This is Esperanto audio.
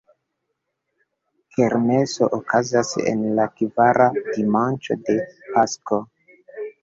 Kermeso okazas en la kvara dimanĉo de Pasko.